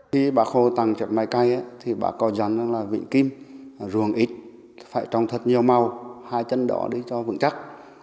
khi bác hồ tặng chiếc máy cày bác có dẫn là vĩnh kim ruộng ít phải trồng thật nhiều màu hai chân đỏ để cho vững chắc